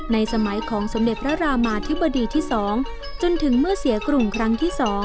สมัยของสมเด็จพระรามาธิบดีที่๒จนถึงเมื่อเสียกลุ่มครั้งที่๒